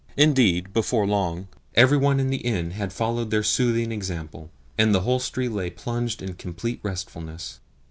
Indeed, before long every one in the inn had followed their soothing example, and the hostelry lay plunged in complete restfulness.